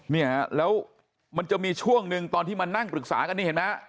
เนี่ยแล้วมันจะมีช่วงหนึ่งตอนที่มานั่งปรึกษากันนี่เห็นไหมฮะ